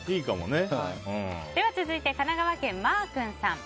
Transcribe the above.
続いて、神奈川県の方。